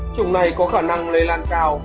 chủng này có khả năng lây lan cao